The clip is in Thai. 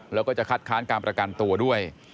แล้วก็จะคัดค้านการประกันตัวด้วย